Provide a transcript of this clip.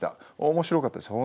面白かったですよ。